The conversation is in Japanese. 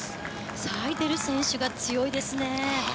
サイデル選手が強いですね。